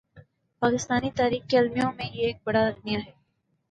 پاکستانی تاریخ کے المیوں میں یہ ایک بڑا المیہ ہے۔